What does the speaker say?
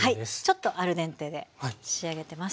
ちょっとアルデンテで仕上げてます。